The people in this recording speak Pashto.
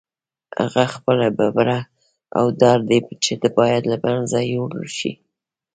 هغه خپله بېره او ډار دی چې باید له منځه یوړل شي.